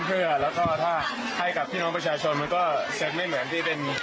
เอาไว้ทำอะไรครับแต่ผมยังไม่ทราบเรื่องเลย